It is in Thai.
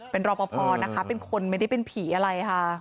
เป็นรอปภนะคะเป็นคนไม่ได้เป็นผีอะไรค่ะ